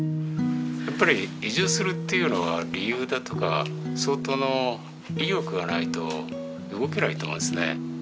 やっぱり移住するっていうのは理由だとか相当の意欲がないと動けないと思うんですね。